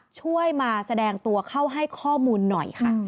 ช่วยมาแสดงตัวเข้าให้ข้อมูลหน่อยค่ะ